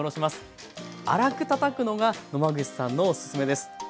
粗くたたくのが野間口さんのおすすめです。